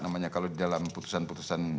namanya kalau di dalam putusan putusan